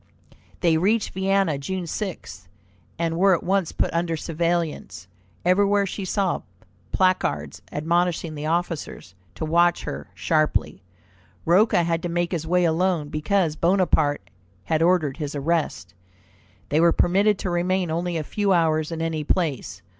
They reached Vienna June 6, and were at once put under surveillance. Everywhere she saw placards admonishing the officers to watch her sharply. Rocca had to make his way alone, because Bonaparte had ordered his arrest. They were permitted to remain only a few hours in any place.